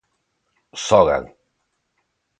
Xogan.